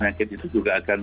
mungkin itu juga akan